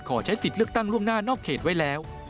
ขอใช้สิทธิ์เลือกตั้งล่วงหน้านอกเขตไว้แล้ว